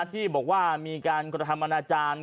ที่บอกว่ามีการกฎธรรมนาจารย์